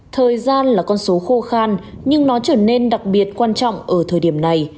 thời gian là con số khô khan nhưng nó trở nên đặc biệt quan trọng ở thời điểm này